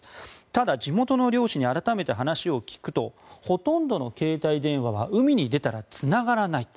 ただ、地元の漁師に改めて話を聞くとほとんどの携帯電話は海に出たらつながらない。